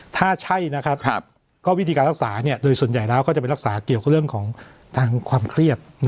ถ้าใช่นะครับก็วิธีการรักษาโดยส่วนใหญ่แล้วก็จะไปรักษาเกี่ยวกับเรื่องของทางความเครียด